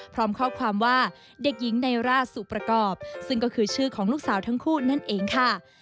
พร้อมข้อความว่าเด็กหญิงไนร่าสุประกอบซึ่งก็คือชื่อของลูกสาวทั้งคู่นั่นเองค่ะ